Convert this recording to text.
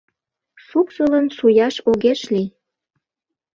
Шупшылын шуяш огеш лий.